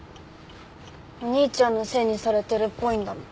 お兄ちゃんのせいにされてるっぽいんだもん。